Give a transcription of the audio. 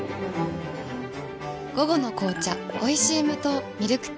午後の紅茶おいしい無糖ミルクティー